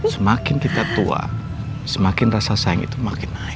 semakin kita tua semakin rasa sayang itu makin naik